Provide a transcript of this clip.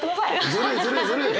ずるいずるいずるい。